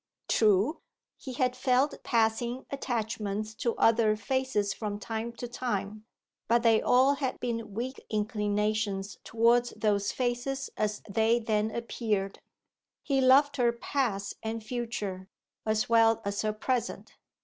True, he had felt passing attachments to other faces from time to time; but they all had been weak inclinations towards those faces as they then appeared. He loved her past and future, as well as her present.